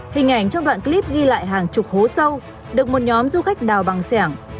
hình ảnh trong đoạn clip ghi lại hàng chục hố sâu được một nhóm du khách đào bằng sẻng